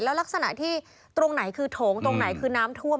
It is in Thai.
ลักษณะที่ตรงไหนคือโถงตรงไหนคือน้ำท่วม